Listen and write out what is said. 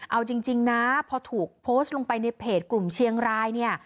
เอาจริงนะพอถูกโพสต์ลงไปในเพจกลุ่มเชียงรายเนี่ย